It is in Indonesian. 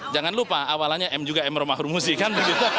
jangan lupa awalannya m juga m rumah urmuzi kan